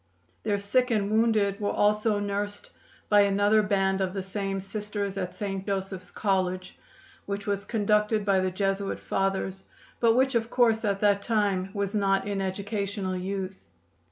Their sick and wounded were also nursed by another band of the same Sisters at St. Joseph's College, which was conducted by the Jesuit fathers, but which, of course, at that time was not in educational use.